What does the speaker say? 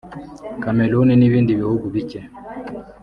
Cameroun nibindi bihugu bike